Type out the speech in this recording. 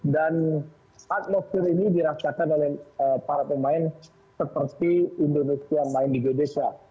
dan atmosphere ini dirasakan oleh para pemain seperti indonesia main di indonesia